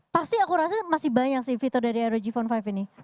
pasti aku rasa masih banyak sih fitur dari rog phone lima ini